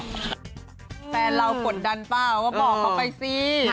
แฟนเรากดดันเปล่าว่าบอกเขาไปสิ